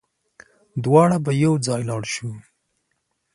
دواړه به يوځای لاړ شو